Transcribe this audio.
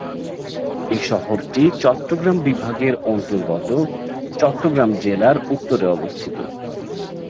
এ শহরটি চট্টগ্রাম বিভাগের অন্তর্গত চট্টগ্রাম জেলার উত্তরে অবস্থিত।